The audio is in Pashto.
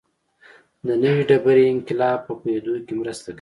د نوې ډبرې انقلاب په پوهېدو کې مرسته کوي